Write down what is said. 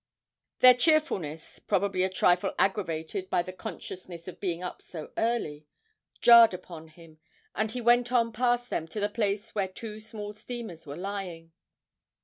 Their cheerfulness (probably a trifle aggravated by the consciousness of being up so early) jarred upon him, and he went on past them to the place where two small steamers were lying.